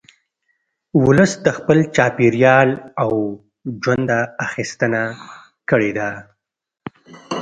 ولس د خپل چاپېریال او ژونده اخیستنه کړې ده